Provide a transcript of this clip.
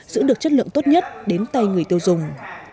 giữ được chất lượng tốt nhất đến tay người tiêu dùng